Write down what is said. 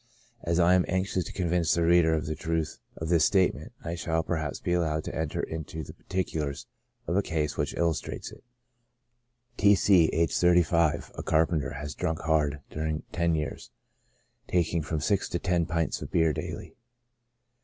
As I am anxious to convince the reader of the truth of this state ment, I shall perhaps be allowed to enter into the particulars of a case which illustrates it. T. C —, aged 35, a carpen ter, has drunk hard during ten years, taking from six to ten pints of beer daily.